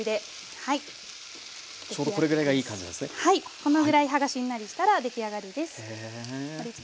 このぐらい葉がしんなりしたら出来上がりです。